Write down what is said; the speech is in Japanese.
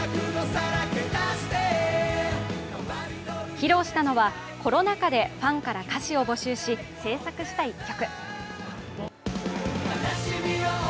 披露したのは、コロナ禍でファンから歌詞を募集し制作した一曲。